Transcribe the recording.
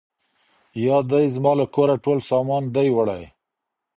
یا دي زما له کوره ټول سامان دی وړی